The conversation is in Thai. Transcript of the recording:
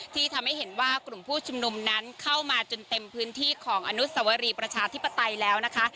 ที่ทำให้เห็นว่ากลุ่มผู้ชุมนุมนั้นเข้ามาจนเต็มพื้นที่ของอนุสวรีประชาธิปไตยแล้วนะคะ